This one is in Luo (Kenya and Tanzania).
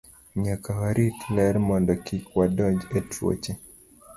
Nyaka warit ler mondo kik wadonj e tuoche.